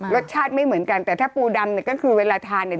รสชาติไม่เหมือนกันแต่ถ้าปูดำเนี่ยก็คือเวลาทานเนี่ย